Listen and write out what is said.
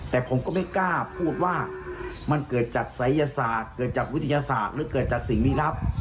แต่ผมก็ไม่กล้าพูดว่ามันเกิดจากศัยยศาสตร์เกิดจากวิทยาศาสตร์หรือเกิดจากสิ่งลี้ลับ